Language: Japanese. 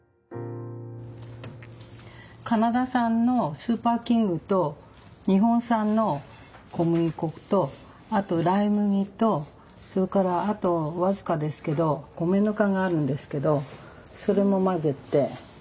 カナダ産のスーパーキングと日本産の小麦粉とあとライ麦とそれからあと僅かですけど米ぬかがあるんですけどそれも混ぜて。